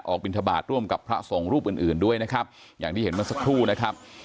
ออกบินทบาทร่วมกับพระส่งรูปอื่นด้วยนะครับอย่างที่เห็นมันสักทู่นะครับ